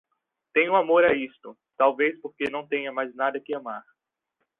Tenho amor a isto, talvez porque não tenha mais nada que amar